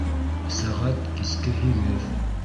Сәғәт киске һигеҙ